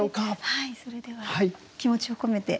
はいそれでは気持ちを込めて。